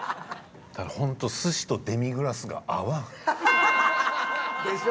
ただホント寿司とデミグラスが合わん。でしょ？